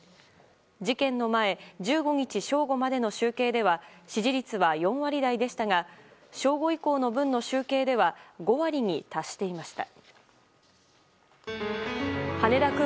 事件の前１５日正午までの集計では支持率は４割台でしたが正午以降の分の集計では５割に達していました。